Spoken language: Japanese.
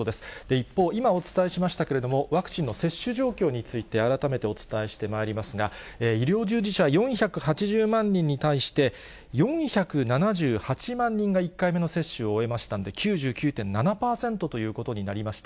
一方、今お伝えしましたけれども、ワクチンの接種状況について、改めてお伝えしてまいりますが、医療従事者４８０万人に対して、４７８万人が１回目の接種を終えましたんで、９９．７％ということになりました。